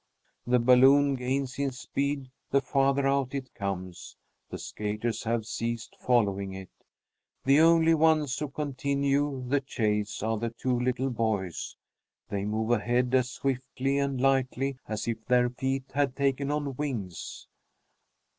The balloon gains in speed the farther out it comes. The skaters have ceased following it. The only ones who continue the chase are the two little boys. They move ahead as swiftly and lightly as if their feet had taken on wings.